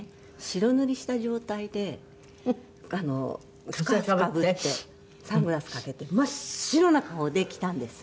白塗りした状態でスカーフかぶってサングラスかけて真っ白な顔で来たんです